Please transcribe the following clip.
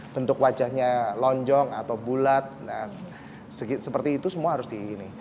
bentuk wajahnya lonjong atau bulat seperti itu semua harus di ini